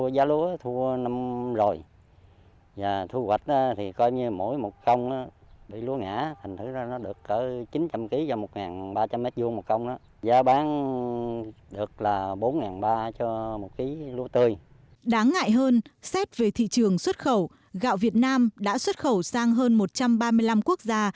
đáng ngại hơn xét về thị trường xuất khẩu gạo việt nam đã xuất khẩu sang hơn một trăm ba mươi năm quốc gia